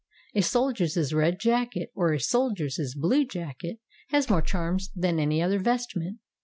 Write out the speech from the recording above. A soldier's red jacket or a soldier's blue jacket has more charms than any other vestment.